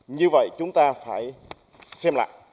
như vậy chúng ta phải xem lại